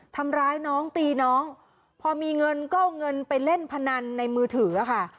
ทำร้ายน้องตีน้องพอมีเงินก็เอาเงินไปเล่นพนันในมือถือค่ะ